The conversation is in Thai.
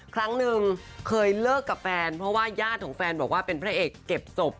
ครั้งหนึ่งเคยเลิกกับแฟนเพราะว่าญาติของแฟนบอกว่าเป็นพระเอกเก็บศพ